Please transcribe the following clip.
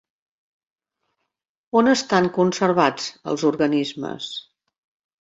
On estan conservats els organismes?